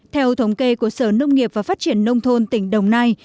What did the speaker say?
theo thống kê của sở nông nghiệp và phát triển nông thôn tỉnh đồng nai